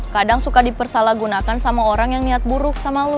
kadang suka dipersalahgunakan sama orang yang niat buruk sama lu